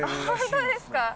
本当ですか？